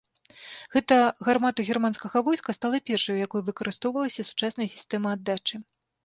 Гэта гармата германскага войска стала першай, у якой выкарыстоўвалася сучасная сістэма аддачы.